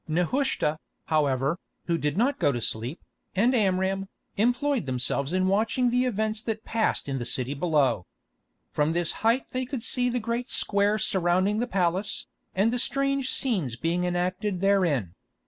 Nehushta, however, who did not go to sleep, and Amram, employed themselves in watching the events that passed in the city below. From this height they could see the great square surrounding the palace, and the strange scenes being enacted therein.